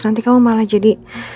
nanti kamu malah jadi